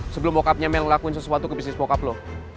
sebelum bokapnya mel ngelakuin sesuatu ke bisnis bokap lo